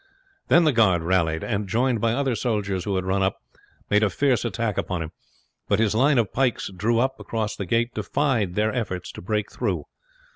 Then the guard rallied, and, joined by other soldiers who had run up, made a fierce attack upon him; but his line of pikes drawn up across the gate defied their efforts to break through.